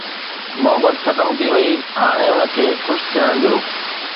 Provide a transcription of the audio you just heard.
محبت ختم ٿي وئي، هاڻي ان کي حوس ٿيڻ ڏيو